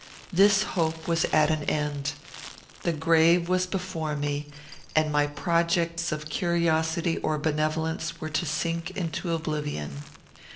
This hope was at an end. The grave was before me, and my projects of curiosity or benevolence were to sink into oblivion.